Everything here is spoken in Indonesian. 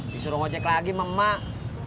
disuruh ngecek lagi sama emak